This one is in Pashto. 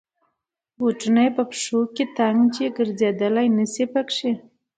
بوټونه یې په پښو کې تنګ دی. ګرځېدای نشی پکې.